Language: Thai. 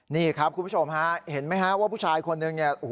นี่ครับคุณผู้ชมฮะเห็นไหมฮะว่าผู้ชายคนนึงเนี่ย